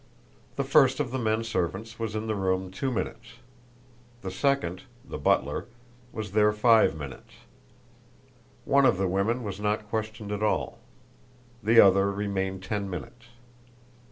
The first of the men servants was in the room two minutes; the second the butler was there five minutes; one of the women was not questioned at all; the other remained ten minutes.